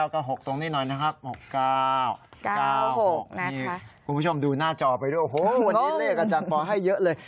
๖๙๙๖ค่ะ๖๙๙๖ตรงนี้หน่อยนะครับ๖๙๙๖นี่คุณผู้ชมดูหน้าจอไปด้วยโอ้โฮวันนี้เลขอาจารย์บอกให้เยอะเลย